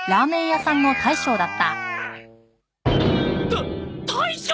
た大将！？